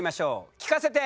聞かせて！